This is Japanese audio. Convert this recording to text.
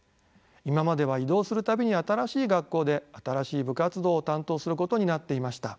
今までは異動する度に新しい学校で新しい部活動を担当することになっていました。